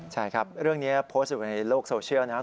ใช่ครับเรื่องนี้โพสต์อยู่ในโลกโซเชียลนะครับ